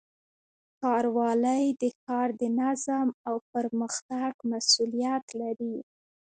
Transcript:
ښاروالۍ د ښار د نظم او پرمختګ مسؤلیت لري.